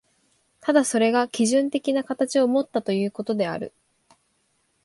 ただそれが基準的な形をもったということである。